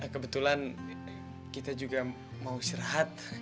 kebetulan kita juga mau istirahat